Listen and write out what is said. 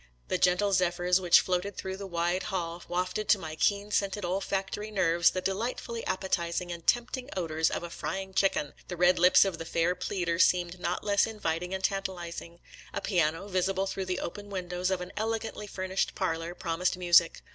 The gentle zephyrs which floated through the wide hall wafted to my keen scented olfactory nerves the delightfully appetizing and tempting odors of a frying chicken,; the red lips of the fair pleader seemed not less inviting and tantalizing; a piano, vis ible through the open windows of an elegantly furnished parlor, promised music.